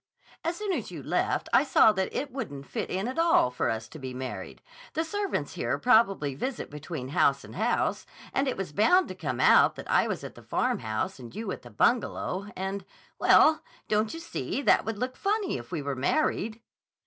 As soon as you left I saw that it wouldn't fit in at all for us to be married. The servants here probably visit between house and house. And it was bound to come out that I was at the Farmhouse and you at the Bungalow, and—well—don't you see that would look funny if we were married?"